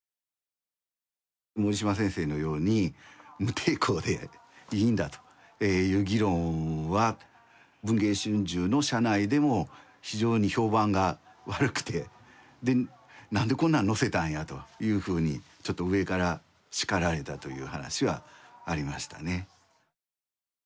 森嶋先生のように無抵抗でいいんだという議論は文藝春秋の社内でも非常に評判が悪くてで「なんでこんなん載せたんや」というふうにちょっと上から叱られたという話はありましたね。